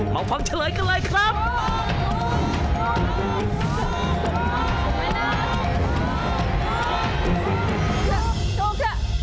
เอาความเฉลยกันเลยครับ